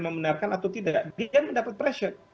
membenarkan atau tidak dia mendapat pressure